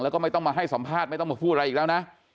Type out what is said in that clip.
แล้วก็ไม่ต้องมาให้สัมภาษณ์ไม่ต้องมาพูดอะไรอีกแล้วนะ